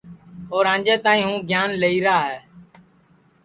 اور آج تک ہوں گیان لئیرا ہے